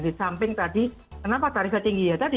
di samping tadi kenapa tarifnya tinggi ya tadi